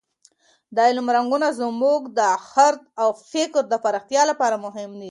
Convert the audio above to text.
د علم رنګونه زموږ د خرد او فکر د پراختیا لپاره مهم دي.